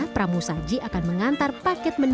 pramu saji akan mengantar paket menu